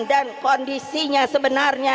dan kondisinya sebenarnya